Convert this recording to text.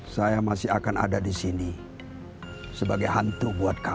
saya masih akan ada di sini sebagai hantu buat kami